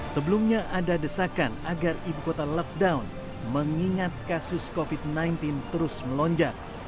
sebelumnya ada desakan agar ibu kota lockdown mengingat kasus covid sembilan belas terus melonjak